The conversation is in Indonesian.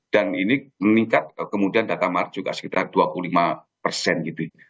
dan ini meningkat kemudian data mar juga sekitar dua puluh lima gitu